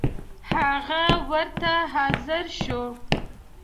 هغه ورته حاضر شو.